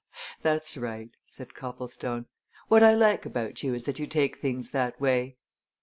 "That's right," said Copplestone. "What I like about you is that you take things that way."